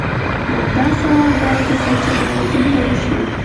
همدا سوال باید د سید جمال الدین نه وشي.